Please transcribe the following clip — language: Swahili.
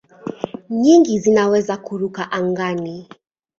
Nyingi zinaweza kuruka angani.